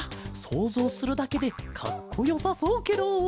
そうぞうするだけでかっこよさそうケロ。